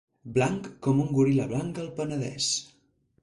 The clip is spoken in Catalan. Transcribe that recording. Blanc com un goril·la blanc al Penedès.